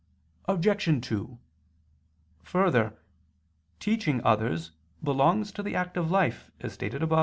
Obj. 2: Further, teaching others belongs to the active life, as stated above (A.